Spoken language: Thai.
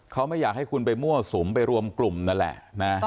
เขาไม่อยากให้คุณไปมั่วสุมไปรวมกลุ่มนั่นแหละนะ